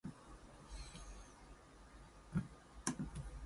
Nick Luscombe's shows often feature music from Japan.